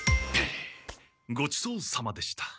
ごちそうさまでした！